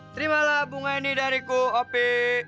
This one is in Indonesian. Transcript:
terimalah bunga ini dariku opi